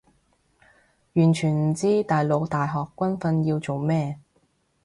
完全唔知大陸大學軍訓要做咩